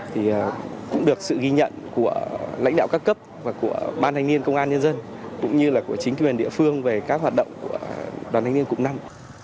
thì cũng được sự ghi nhận của lãnh đạo các cấp và của ban thanh niên công an nhân dân cũng như là của chính quyền địa phương về các hoạt động của đoàn thanh niên cục năm